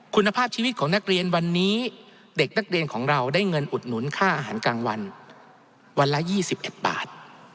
คุณภาพชีวิตของนักเรียนวันนี้เด็กนักเรียนของเราได้เงินอุดหนุนค่าอาหารกลางวันวันละ๒๑บาท